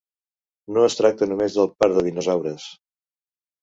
No es tracta només del parc de dinosaures.